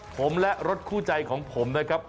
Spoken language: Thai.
ผมและรถคู่ใจของผมนะครับ